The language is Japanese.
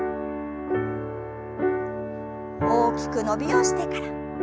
大きく伸びをしてから。